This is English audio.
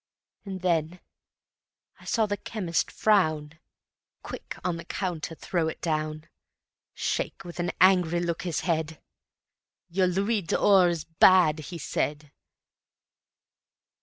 And then I saw the chemist frown, Quick on the counter throw it down, Shake with an angry look his head: "Your louis d'or is bad," he said.